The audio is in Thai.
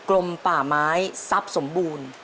ลมป่าไม้ทรัพย์สมบูรณ์